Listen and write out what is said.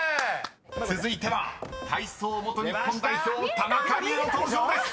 ［続いては体操元日本代表田中理恵の登場です］